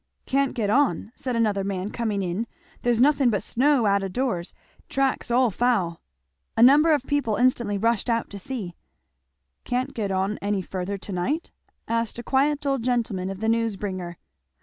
"Can't get on!" said another man coming in, "there's nothing but snow out o' doors track's all foul." A number of people instantly rushed out to see. "Can't get on any further to night?" asked a quiet old gentleman of the news bringer.